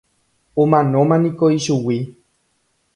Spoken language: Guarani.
Omanómaniko ichugui.